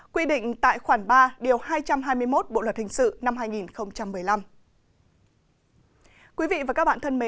quy định tại khoản ba điều hai trăm hai mươi một bộ luật hình sự năm hai nghìn một mươi năm